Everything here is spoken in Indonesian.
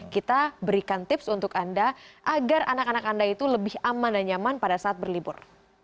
kita berikan tips untuk anda agar anak anak anda itu lebih aman dan nyaman pada saat berlibur